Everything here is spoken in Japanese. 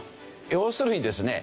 要するにですね